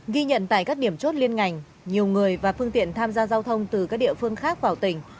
ghi nhận tại các điểm chốt liên ngành nhiều người và phương tiện tham gia giao thông từ các địa phương khác vào tỉnh